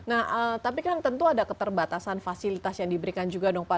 nah tapi kan tentu ada keterbatasan fasilitas yang diberikan juga dong pak